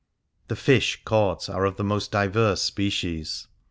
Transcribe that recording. The " fish " caught are of the most diverse species.